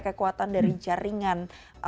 kekuatan dari jaringan